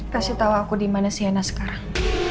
kasih tau aku dimana sienna sekarang